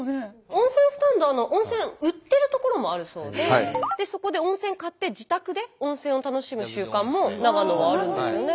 温泉スタンド温泉売ってる所もあるそうでそこで温泉買って自宅で温泉を楽しむ習慣も長野はあるんですよね。